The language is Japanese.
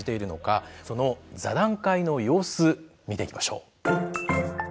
その座談会の様子見ていきましょう。